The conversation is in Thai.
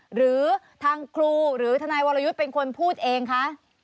หรือทางครูหรือทนายวรยุทธ์เป็นคนพูดเองคะ